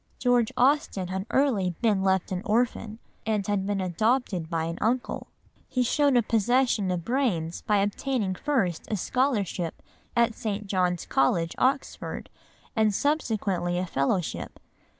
George Austen had early been left an orphan, and had been adopted by an uncle. He showed the possession of brains by obtaining first a scholarship at St. John's College, Oxford, and subsequently a fellowship.